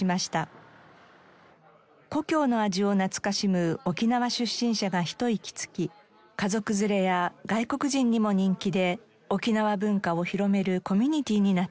故郷の味を懐かしむ沖縄出身者がひと息つき家族連れや外国人にも人気で沖縄文化を広めるコミュニティーになっています。